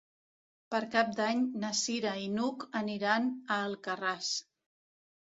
Per Cap d'Any na Cira i n'Hug aniran a Alcarràs.